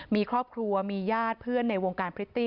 มีครอบครัวมีญาติเพื่อนในวงการพริตตี้